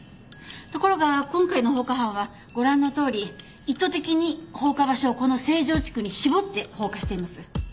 ところが今回の放火犯はご覧のとおり意図的に放火場所をこの成城地区に絞って放火しています。